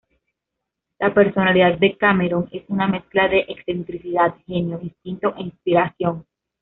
La personalidad de Cameron es una mezcla de excentricidad, genio, instinto e inspiración.